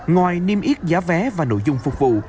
ngoài niêm yết giá vé và nội dung phục vụ